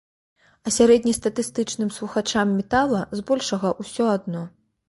А сярэднестатыстычным слухачам метала збольшага ўсё адно.